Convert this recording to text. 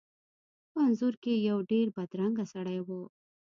په انځور کې یو ډیر بدرنګه سړی و.